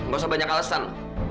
gak usah banyak alasan